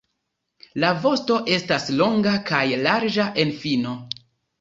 La vosto estas longa kaj larĝa en fino.